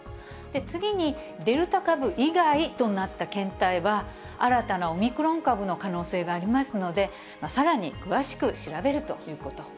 次にデルタ株以外となった検体は、新たなオミクロン株の可能性がありますので、さらに詳しく調べるということ。